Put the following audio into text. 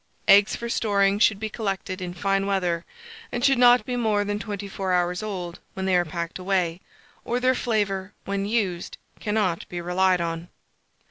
Eggs for storing should be collected in fine weather, and should not be more than 24 hours old when they are packed away, or their flavour, when used, cannot be relied on.